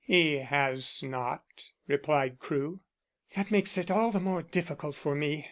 "He has not," replied Crewe. "That makes it all the more difficult for me.